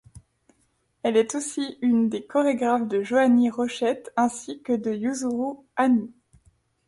Elle est aussi une des chorégraphes de Joannie Rochette, ainsi que de Yuzuru Hanyu.